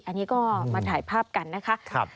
อันนี้ก็มาถ่ายภาพกันนะคะ